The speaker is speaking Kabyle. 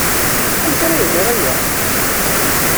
Amek ara iẓer aya?